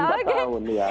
empat tahun ya